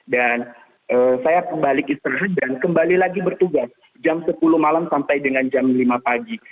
dan saya kembali istirahat dan kembali lagi bertugas jam sepuluh malam sampai dengan jam lima pagi